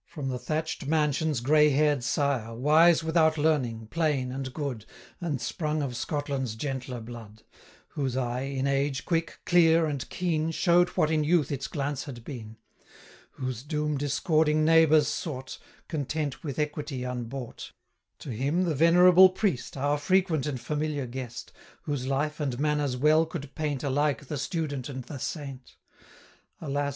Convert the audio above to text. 210 From the thatch'd mansion's grey hair'd Sire, Wise without learning, plain and good, And sprung of Scotland's gentler blood; Whose eye, in age, quick, clear, and keen, Show'd what in youth its glance had been; 215 Whose doom discording neighbours sought, Content with equity unbought; To him the venerable Priest, Our frequent and familiar guest, Whose life and manners well could paint 220 Alike the student and the saint; Alas!